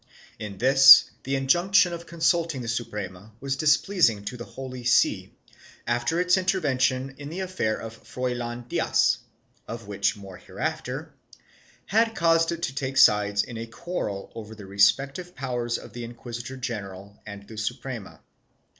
1 In this, the injunction of consulting the Suprema was displeasing to the Holy See, after its intervention in the affair of Froilan Diaz (of which more hereafter) had caused it to take sides in the quarrel over the respective powers of the inquisitor general and the Suprema.